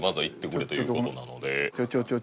ちょちょ